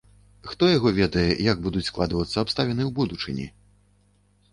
Хто яго ведае, як будуць складвацца абставіны ў будучыні?